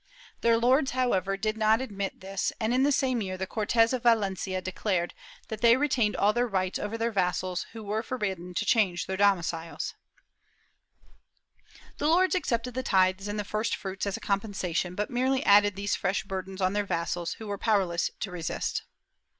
Their lords, however, did not admit this and, in the same year, the Cortes of Valencia declared that they retained all their rights over their vassals, who were forbidden to change their domiciles/ The lords accepted the tithes and the first fruits as a compensation, but merely added these fresh burdens on their vassals, who were powerless to resist.